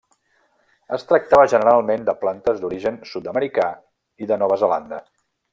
Es tractava generalment de plantes d'origen sud-americà i de Nova Zelanda.